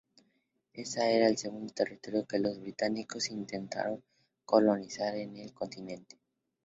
Ese era el segundo territorio que los británicos intentaron colonizar en el continente.